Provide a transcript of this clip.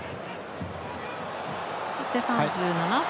そして３７分。